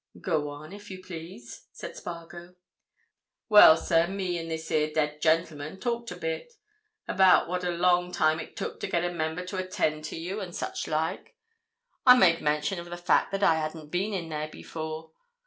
"Go on, if you please," said Spargo. "Well, sir, me and this here dead gentleman talked a bit. About what a long time it took to get a member to attend to you, and such like. I made mention of the fact that I hadn't been in there before.